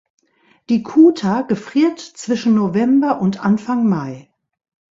Die Kuta gefriert zwischen November und Anfang Mai.